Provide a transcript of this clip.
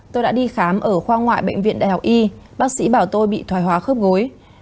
tôi đã đi khám ở khoa ngoại bệnh viện đại học y bác sĩ bảo tôi bị thoái hóa khớp gối